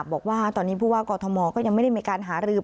บอกว่าตอนนี้ผู้ว่ากอทมก็ยังไม่ได้มีการหารือ